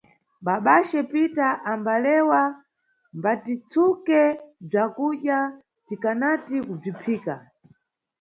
Babace Pita ambalewa, mbatitsuke bzakudya tikanati kubziphika.